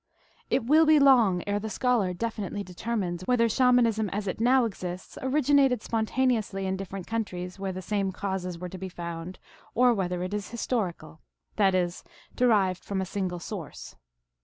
It will be long ere the scholar definitely determines whether Shamanism as it now exists originated spon TALES OF MAGIC. 335 taneously in different countries where the same causes were to be found, or whether it is historical ; that is, derived from a single source.